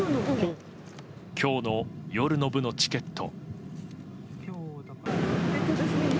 今日の夜の部のチケット。